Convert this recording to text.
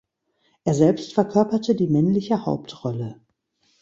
Er selbst verkörperte die männliche Hauptrolle.